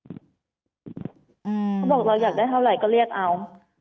เขาบอกเราอยากได้เท่าไหร่ก็เรียกเอา